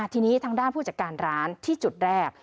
ทีนี้ทางด้านผู้จัดการร้านที่จุดแรก